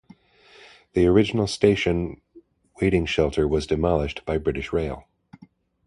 The original station waiting shelter was demolished by British Rail.